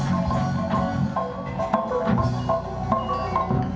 iya makasih mak